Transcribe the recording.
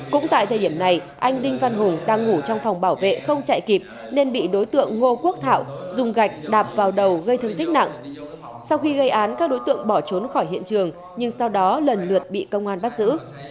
cũng tại thời điểm này anh đinh văn hùng đang ngủ trong phòng bảo vệ không chạy kịp nên bị đối tượng ngô quốc thảo dùng gạch đạp vào đầu gây thương tích nặng sau khi gây án các đối tượng bỏ trốn khỏi hiện trường nhưng sau đó lần lượt bị công an bắt giữ